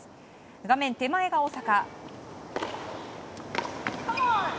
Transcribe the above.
画面手前が大坂。